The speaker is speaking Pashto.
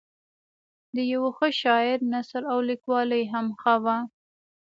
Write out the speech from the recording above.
د یوه ښه شاعر نثر او لیکوالي هم ښه وه.